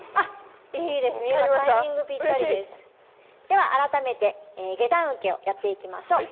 では改めて下段受けをやっていきましょう。